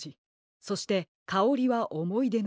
そして「かおりはおもいでのかぎなのよ」。